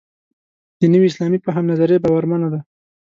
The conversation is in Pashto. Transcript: د نوي اسلامي فهم نظریه باورمنه ده.